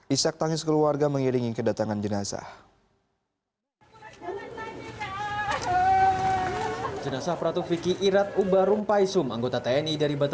isyak tangis keluarga mengiringi kedatangan jenasa